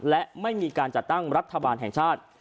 และไม่มีการจัดตั้งรัฐบาลแห่งชาติ